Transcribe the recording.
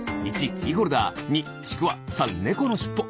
１キーホルダー２ちくわ３ネコのしっぽ。